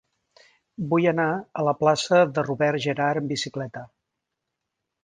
Vull anar a la plaça de Robert Gerhard amb bicicleta.